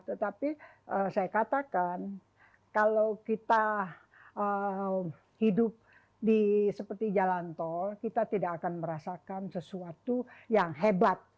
tetapi saya katakan kalau kita hidup seperti jalan tol kita tidak akan merasakan sesuatu yang hebat